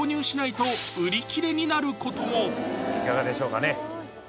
いかがでしょうかね？